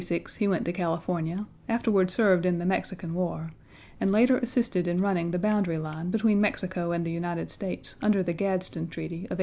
In 1846 he went to California, afterward served in the Mexican War, and later assisted in running the boundary line between Mexico and the United States under the Gadsden Treaty of 1853.